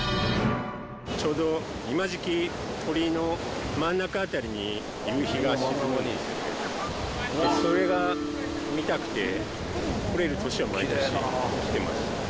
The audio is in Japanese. ちょうど今時季鳥居の真ん中にそれが見たくて来られる年は毎年来てます